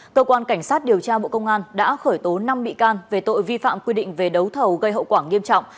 cơ quan cảnh sát điều tra bộ công an đã khởi tố năm bị can về tội vi phạm quy định về đấu thầu gây hậu quả nghiêm trọng